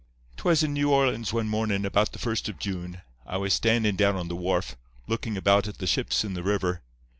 "'Twas in New Orleans one morning about the first of June; I was standin' down on the wharf, lookin' about at the ships in the river.